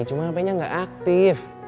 cuma hapenya gak aktif